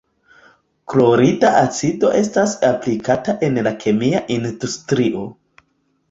Klorida acido estas aplikata en la kemia industrio.